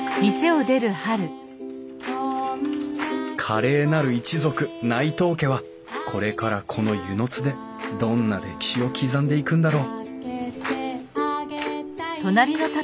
華麗なる一族内藤家はこれからこの温泉津でどんな歴史を刻んでいくんだろう